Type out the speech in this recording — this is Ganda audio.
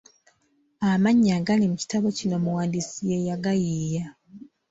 Amannya agali mu kitabo kino omuwandiisi ye yagayiiya.